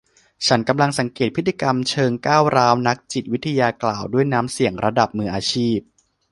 ฉันกำลังสังเกตพฤติกรรมเชิงก้าวร้าวนักจิตวิทยากล่าวด้วยน้ำเสียงระดับมืออาชีพ